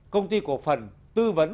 công ty cổ phần tư vấn